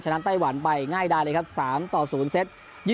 ไต้หวันไปง่ายดายเลยครับ๓ต่อ๐เซต